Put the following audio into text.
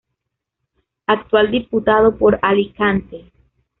Actual Diputado por Alicante.